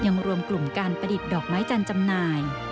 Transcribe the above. รวมกลุ่มการประดิษฐ์ดอกไม้จันทร์จำหน่าย